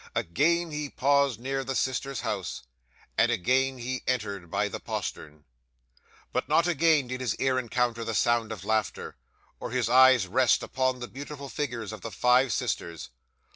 Again he paused near the sisters' house, and again he entered by the postern. 'But not again did his ear encounter the sound of laughter, or his eyes rest upon the beautiful figures of the five sisters.